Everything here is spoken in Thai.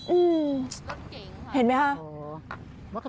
อื้มรถเก่งค่ะเห็นไหมค่ะ